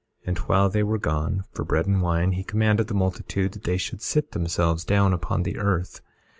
18:2 And while they were gone for bread and wine, he commanded the multitude that they should sit themselves down upon the earth.